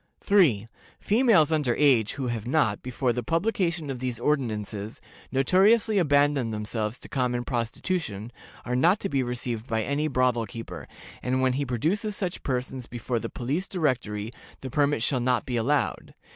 "3. Females under age, who have not, before the publication of these ordinances, notoriously abandoned themselves to common prostitution, are not to be received by any brothel keeper, and when he produces such persons before the Police Directory the permit shall not be allowed.